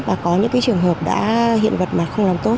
và có những trường hợp đã hiện vật mà không làm tốt